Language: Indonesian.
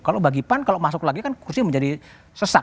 kalau bagi pan kalau masuk lagi kan kursi menjadi sesak